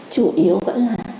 chủ yếu vẫn là